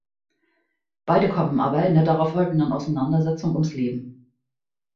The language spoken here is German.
Beide kommen aber in der darauf folgenden Auseinandersetzung ums Leben.